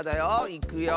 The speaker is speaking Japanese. いくよ！